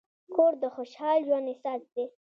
کور د خوشحال ژوند اساس دی.